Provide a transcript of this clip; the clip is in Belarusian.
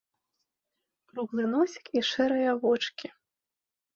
Круглы носік і шэрыя вочкі.